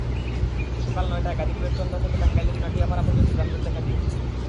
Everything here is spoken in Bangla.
সকাল নয়টায় গাজীপুরের চন্দ্রা থেকে টাঙ্গাইলের নাটিয়াপাড়া পর্যন্ত যানজট দেখা গেছে।